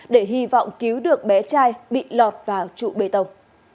để hy vọng cứu được bé trai bị lọt vào trụ bê tông